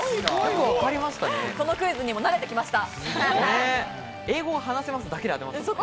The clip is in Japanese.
このクイズに慣れてきました。